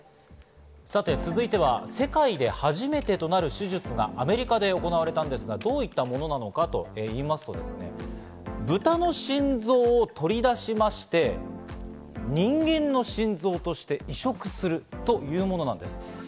続いては世界で初めてとなる手術がアメリカで行われたんですが、どういったものなのかと言いますと、ブタの心臓を取り出しまして、人間の心臓として移植するというものなんです。